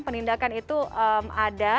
penindakan itu ada